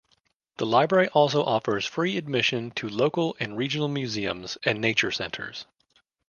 The library also offers free admission to local and regional museums and nature centers.